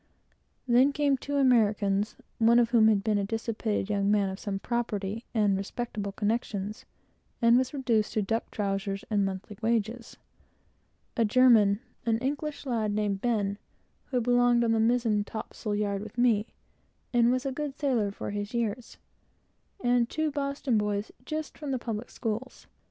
Then came two Americans (one of whom had been a dissipated young man of property and family, and was reduced to duck trowsers and monthly wages,) a German, an English lad, named Ben, who belonged on the mizen topsail yard with me, and was a good sailor for his years, and two Boston boys just from the public schools.